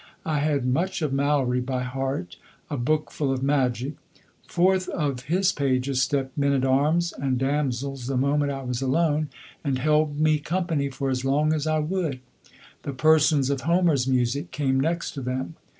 I had much of Mallory by heart a book full of magic. Forth of his pages stepped men at arms and damsels the moment I was alone, and held me company for as long as I would. The persons of Homer's music came next to them.